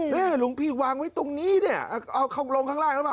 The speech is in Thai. แม่หลวงพี่วางไว้ตรงนี้เนี่ยเอาเขาลงข้างล่างแล้ว